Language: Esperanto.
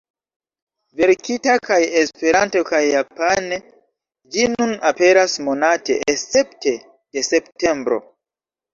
Verkita kaj Esperante kaj Japane ĝi nun aperas monate escepte de septembro.